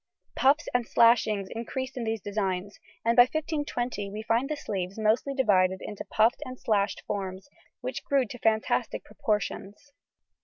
Puffs and slashings increased in these designs, and by 1520 we find the sleeves mostly divided into puffed and slashed forms, which grew to fantastic proportions.